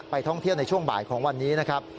ท่องเที่ยวในช่วงบ่ายของวันนี้นะครับ